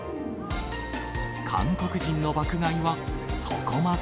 韓国人の爆買いは、そこまで？